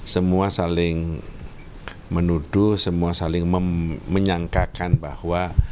semua saling menuduh semua saling menyangkakan bahwa